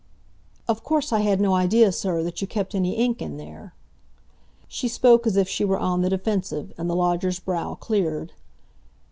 "Of course I had no idea, sir, that you kept any ink in there." She spoke as if she were on the defensive, and the lodger's brow cleared.